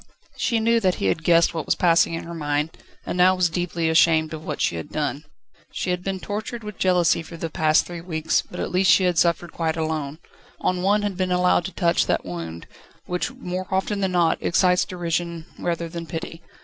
She knew that he had guessed what was passing in her mind, and now was deeply ashamed of what she had done. She had been tortured with jealousy for the past three weeks, but at least she had suffered quite alone: no one had been allowed to touch that wound, which more often than not, excites derision rather than pity.